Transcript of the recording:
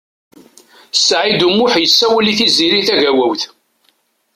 Saɛid U Muḥ yessawel i Tiziri Tagawawt.